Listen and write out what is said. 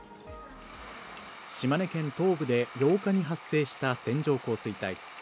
島根県東部で８日に発生した線状降水帯。